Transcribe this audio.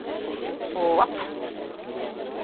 — Ваф!